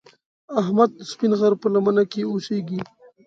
احمد د سپین غر په لمنه کې اوسږي.